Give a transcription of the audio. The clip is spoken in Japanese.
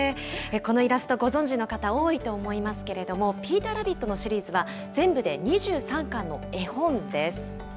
このイラスト、ご存じの方、多いと思いますけれども、ピーターラビットのシリーズは全部で２３巻の絵本です。